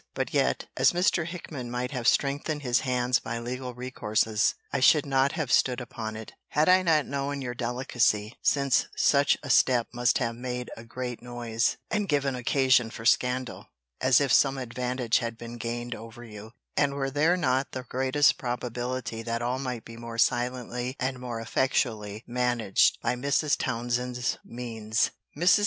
But yet, as Mr. Hickman might have strengthened his hands by legal recourses, I should not have stood upon it, had I not known your delicacy, [since such a step must have made a great noise, and given occasion for scandal, as if some advantage had been gained over you,] and were there not the greatest probability that all might be more silently, and more effectually, managed, by Mrs. Townsend's means. Mrs.